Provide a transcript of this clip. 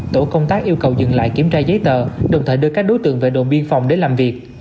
tổ công tác yêu cầu dừng lại kiểm tra giấy tờ đồng thời đưa các đối tượng về đồn biên phòng để làm việc